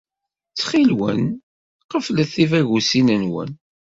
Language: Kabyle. Ttxil-wen, qeflet tibagusin-nwen.